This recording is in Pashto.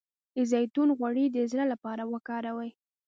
د زیتون غوړي د زړه لپاره وکاروئ